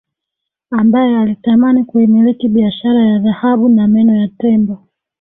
ambaye alitamani kuimiliki biashara ya dhahabu na meno ya tembo